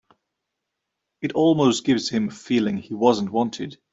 It almost gives him a feeling he wasn't wanted.